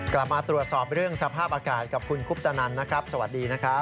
กลับมาตรวจสอบเรื่องสภาพอากาศกับคุณคุปตนันนะครับสวัสดีนะครับ